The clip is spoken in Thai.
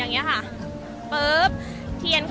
อาจจะออกมาใช้สิทธิ์กันแล้วก็จะอยู่ยาวถึงในข้ามคืนนี้เลยนะคะ